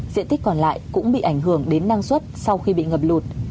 diện tích còn lại cũng bị ảnh hưởng đến năng suất sau khi bị ngập lụt